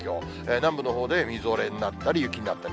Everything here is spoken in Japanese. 南部のほうでみぞれになったり、雪になったり。